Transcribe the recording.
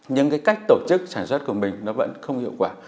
nhưng cái cách tổ chức sản xuất của mình nó vẫn không hiệu quả